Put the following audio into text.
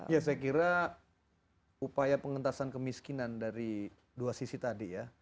ya saya kira upaya pengentasan kemiskinan dari dua sisi tadi ya